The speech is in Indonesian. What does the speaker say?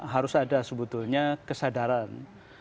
harus ada sebetulnya kesadaran